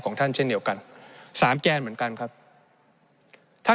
ในช่วงที่สุดในรอบ๑๖ปี